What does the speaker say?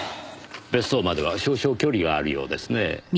別荘までは少々距離があるようですね。